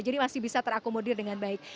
jadi masih bisa terakomodir dengan baik